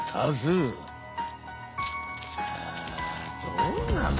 どうなの？